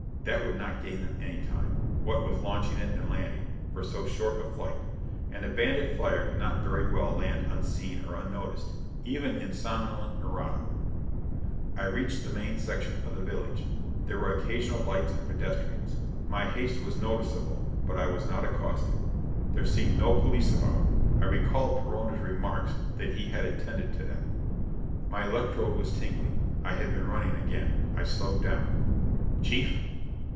That would not gain them any time, what with launching it and landing, for so short a flight. And a bandit flyer could not very well land unseen or unnoticed, even in somnolent Nareda. I reached the main section of the village. There were occasional lights and pedestrians. My haste was noticeable, but I was not accosted. There seemed no police about. I recalled Perona's remark that he had attended to that. My electrode was tingling. I had been running again. I slowed down. "Chief?"